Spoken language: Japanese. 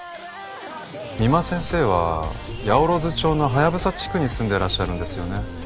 三馬先生は八百万町のハヤブサ地区に住んでらっしゃるんですよね？